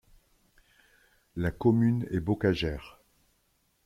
La commune est bocagère.